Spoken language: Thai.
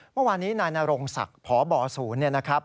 เมื่อวานนี้นายนรงศักดิ์พบศูนย์เนี่ยนะครับ